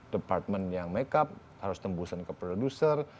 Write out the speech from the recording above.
department yang make up harus tembusan ke producer